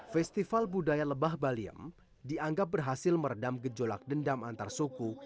festival budaya lebah baliem dianggap berhasil meredam gejolak dendam antar suku